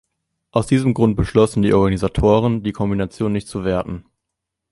Aus diesem Grund beschlossen die Organisatoren, die Kombination nicht zu werten.